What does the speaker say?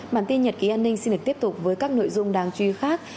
bản tin nhật ký an ninh xin được tiếp tục với các nội dung đáng truy khác